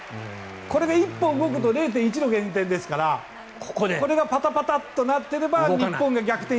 これで一歩動くと０．１減点ですからこれがパタパタとなっていれば日本が逆転。